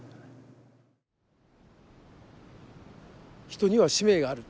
人には使命がある。